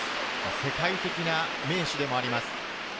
世界的な名手でもあります。